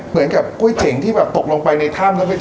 เหมือนกับกล้วยเจ๋งที่แบบตกลงไปในถ้ำแล้วก็เจอ